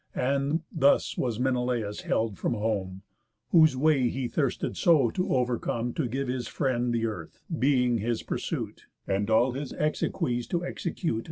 And thus was Menelaus held from home, Whose way he thirsted so to overcome, To give his friend the earth, being his pursuit, And all his exequies to execute.